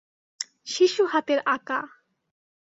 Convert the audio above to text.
শিশু হাতের আঁকা।